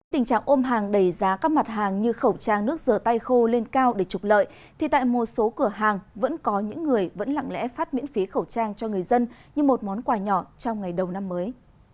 tình trạng ôm hàng đầy giá các mặt hàng như khẩu trang nước rửa tay khô lên cao để trục lợi thì tại một số cửa hàng vẫn có những người vẫn lặng lẽ phát miễn phí khẩu trang cho người dân như một món quà nhỏ trong ngày đầu năm mới